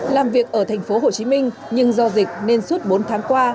làm việc ở thành phố hồ chí minh nhưng do dịch nên suốt bốn tháng qua